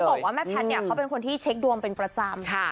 บอกว่าแม่แพทย์เนี่ยเขาเป็นคนที่เช็คดวงเป็นประจำ